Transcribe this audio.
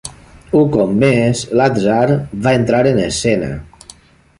Un cop més, l'atzar va entrar en escena.